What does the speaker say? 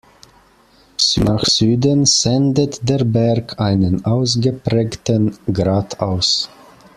Nach Süden sendet der Berg einen ausgeprägten Grat aus.